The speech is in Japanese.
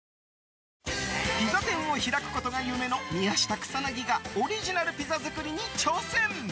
ピザ店を開くことが夢の宮下草薙がオリジナルピザ作りに挑戦。